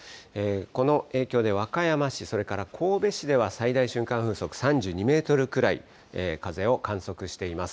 この影響で、和歌山市、それから神戸市では最大瞬間風速３２メートルくらい風を観測しています。